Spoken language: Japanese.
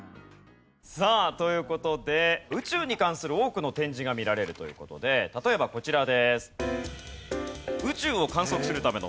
さあという事で宇宙に関する多くの展示が見られるという事で例えばこちらです。